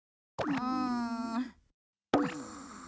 うん？